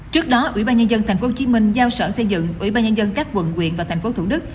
trước đó ủy ban nhân dân tp hcm giao sở xây dựng ủy ban nhân dân các quận quyện và tp thủ đức